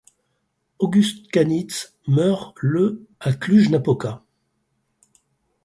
August Kanitz meurt le à Cluj-Napoca.